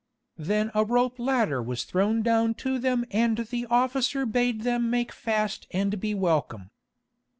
Then a rope ladder was thrown down to them and the officer bade them make fast and be welcome.